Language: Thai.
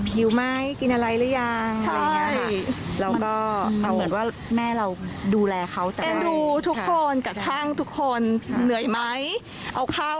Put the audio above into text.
หิวไหมกินอะไรหรือยังอะไรอย่างนี้ค่ะ